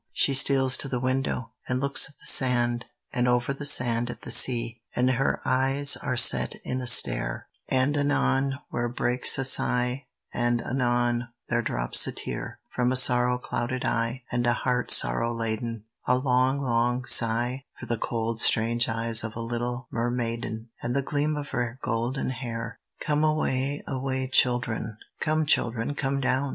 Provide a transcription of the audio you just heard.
She steals to the window, and looks at the sand, And over the sand at the sea; And her eyes are set in a stare, RAINBOW GOLD And anon there breaks a sigh, And anon there drops a tear, From a sorrow clouded eye, And a heart sorrow laden, A long, long sigh; For the cold strange eyes of a little Mermaiden, And the gleam of her golden hair. Come away, away, children; Come, children, come down